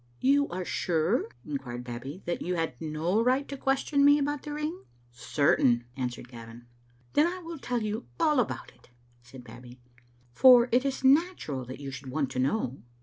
"You are sure," inquired Babbie, "that you had no right to question me about the ring?" "Certain," answered Gavin. "Then I will tell you all about it," said Babbie, "for it is natural that you should want to know."